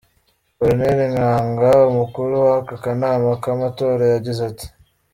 Corneille Nangaa, umukuru w'aka kanama k'amatora, yagize ati:.